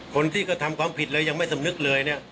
คนที่กระทำความผิดเลยยังไม่สำนึกเลยเนี่ย